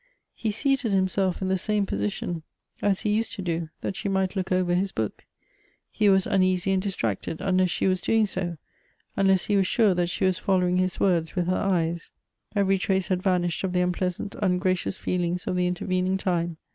He seated himself in the same position 310 Gob T H B 's as he used to do, that she might look over his book ; he was uneasy and distracted unless she was doing so, unless he was sure that she was following his words with her eyes. Every trace had vanished of the unpleasant, ungra c ious feelings of the intervening time.